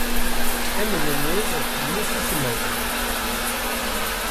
Amnenniḍ n usismeḍ.